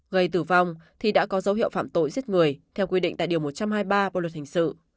gây tử vong thì đã có dấu hiệu phạm tội giết người theo quy định tại điều một trăm hai mươi ba bộ luật hình sự